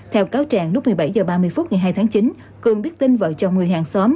theo cáo trạng lúc một mươi bảy h ba mươi phút ngày hai tháng chín cường biết tin vợ chồng người hàng xóm